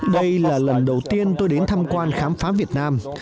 đây là lần đầu tiên tôi đến tham quan khám phá việt nam